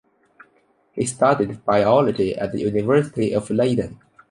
He studied biology at the University of Leiden.